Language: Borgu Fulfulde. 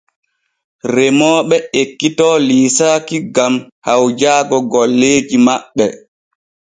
Remooɓe ekkito liisaaki gam hawjaago golleeji maɓɓe.